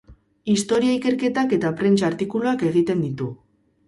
Historia ikerketak eta prentsa-artikuluak egiten ditu.